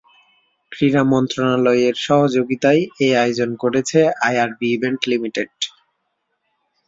ক্রীড়া মন্ত্রণালয়ের সহযোগিতায় এ আয়োজন করছে আইআরবি ইভেন্ট লিমিটেড।